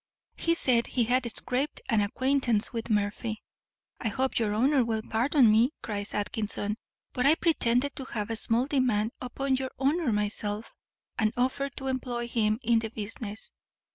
He said he had scraped an acquaintance with Murphy. "I hope your honour will pardon me," cries Atkinson, "but I pretended to have a small demand upon your honour myself, and offered to employ him in the business.